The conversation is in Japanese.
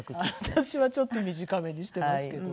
私はちょっと短めにしていますけども。